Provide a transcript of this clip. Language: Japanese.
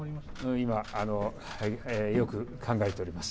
今、よく考えております。